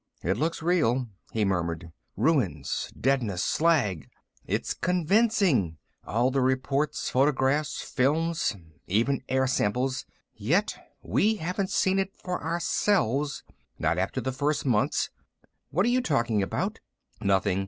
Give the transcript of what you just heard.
"It looks real," he murmured. "Ruins, deadness, slag. It's convincing. All the reports, photographs, films, even air samples. Yet we haven't seen it for ourselves, not after the first months ..." "What are you talking about?" "Nothing."